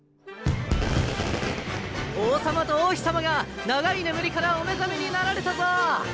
王さまと王妃さまが長いねむりからお目覚めになられたぞ！